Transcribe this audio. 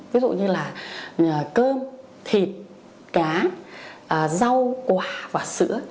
ví dụ như là cơm thịt cá rau quả và sữa